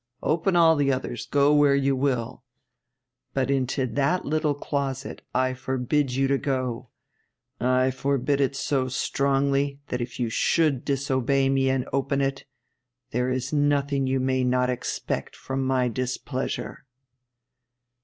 Open all the others; go where you will. But into that little closet I forbid you to go; and I forbid it so strongly that if you should disobey me and open it, there is nothing you may not expect from my displeasure.'